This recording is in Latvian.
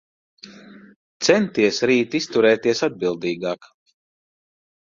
Centies rīt izturēties atbildīgāk.